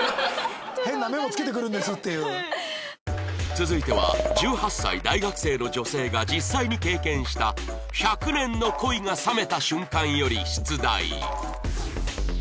続いては１８歳大学生の女性が実際に経験した１００年の恋が冷めた瞬間より出題